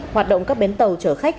hoạt động các bến tàu chở khách